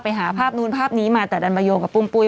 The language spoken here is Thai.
ไปหาภาพนู้นภาพนี้มาแต่ดันมาโยงกับปุ้มปุ้ย